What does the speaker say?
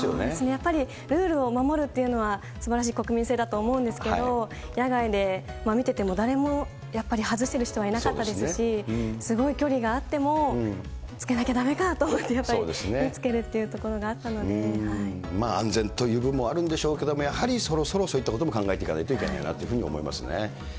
やっぱりルールを守るというのは、すばらしい国民性だと思うんですけど、野外で見てても、誰もやっぱり外してる人はいなかったですし、すごい距離があっても、着けなきゃだめかと思って、やっぱり着けるというところがあ安全という部分もあるんでしょうけれども、やはりそろそろそういったことも考えていかないといけないなというふうに思いますね。